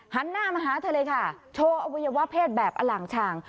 หันหน้ามาหาเธอเลยค่ะโชว์อวัยวะเพศแบบอล่างชาง